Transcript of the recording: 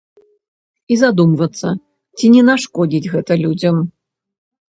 І задумвацца, ці не нашкодзіць гэта людзям.